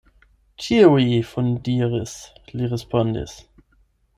Ĉiuj fundiris, li respondis.